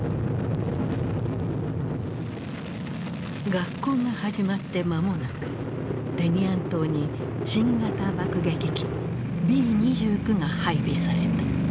学校が始まって間もなくテニアン島に新型爆撃機Ｂ２９が配備された。